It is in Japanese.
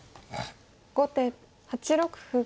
後手８六歩。